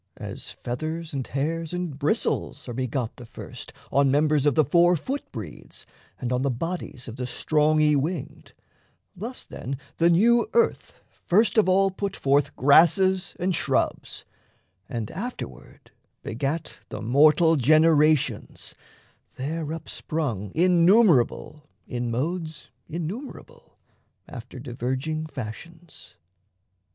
As feathers and hairs and bristles are begot The first on members of the four foot breeds And on the bodies of the strong y winged, Thus then the new Earth first of all put forth Grasses and shrubs, and afterward begat The mortal generations, there upsprung Innumerable in modes innumerable After diverging fashions.